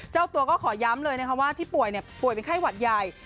เจ้าตัวก็ขอย้ำเลยนะคะว่าที่ป่วยป่วยเป็นไข้หวัดใหญ่